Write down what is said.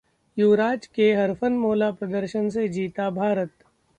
युवराज के हरफनमौला प्रदर्शन से जीता भारत